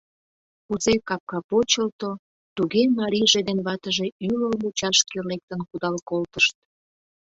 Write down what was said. Кузе капка почылто, туге марийже ден ватыже ӱлыл мучашке лектын кудал колтышт.